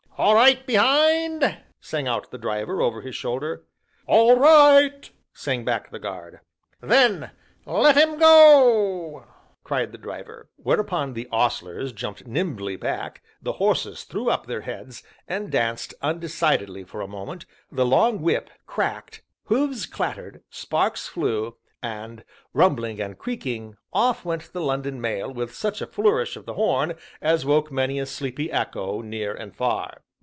"All right behind?" sang out the Driver, over his shoulder. "All right!" sang back the guard. "Then let 'em go!" cried the Driver. Whereupon the ostlers jumped nimbly back, the horses threw up their heads, and danced undecidedly for a moment, the long whip cracked, hoofs clattered, sparks flew, and, rumbling and creaking, off went the London Mail with such a flourish of the horn as woke many a sleepy echo, near and far.